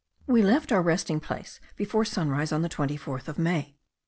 We left our resting place before sunrise on the 24th of May.